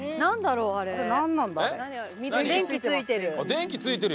電気ついてる！